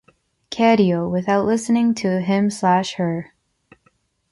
Cadio, without listening to him/her.